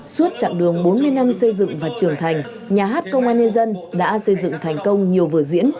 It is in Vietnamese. suốt chặng đường bốn mươi năm xây dựng và trưởng thành nhà hát công an nhân dân đã xây dựng thành công nhiều vở diễn